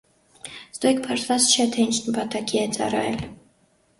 Ստույգ պարզված չէ, թե ինչ նպատակի է ծառայել։